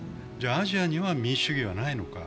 アジアには民主主義はないのか？